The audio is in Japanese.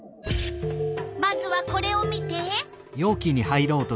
まずはこれを見て！